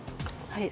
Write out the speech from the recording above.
はい。